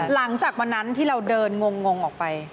หลังจากวันนั้นที่เราเดินงงออกไป